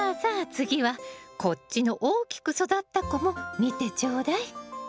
次はこっちの大きく育った子も見てちょうだい。